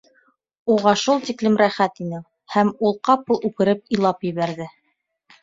Уға шул тиклем рәхәт ине... һәм ул ҡапыл үкереп илап ебәрҙе.